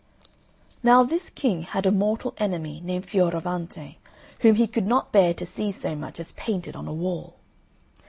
Now this King had a mortal enemy named Fioravante, whom he could not bear to see so much as painted on a wall.